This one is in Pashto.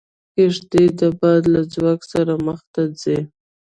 کښتۍ د باد له ځواک سره مخ ته ځي.